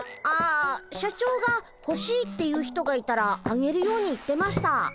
ああ社長がほしいって言う人がいたらあげるように言ってました。